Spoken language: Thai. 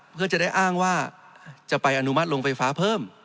เพื่อจะได้อ้างว่าจะไปอนุมัติลงไฟฟ้าเพิ่ม